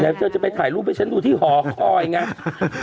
เดี๋ยวเธอจะไปถ่ายรูปให้ฉันดูที่หอคอยไง